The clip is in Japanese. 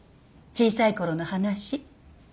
小さいころの話。